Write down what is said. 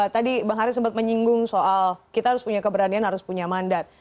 tadi bang haris sempat menyinggung soal kita harus punya keberanian harus punya mandat